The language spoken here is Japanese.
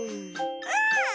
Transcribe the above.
うん！